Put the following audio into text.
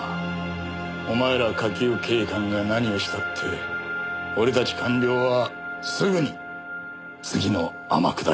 お前ら下級警官が何をしたって俺たち官僚はすぐに次の天下りを開発するね。